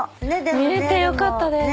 見れてよかったです。